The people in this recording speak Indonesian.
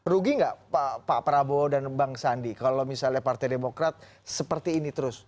rugi nggak pak prabowo dan bang sandi kalau misalnya partai demokrat seperti ini terus